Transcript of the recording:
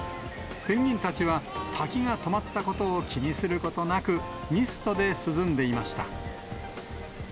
ペンギンたちは滝が止まったことを気にすることなく、ミストで涼んでいました。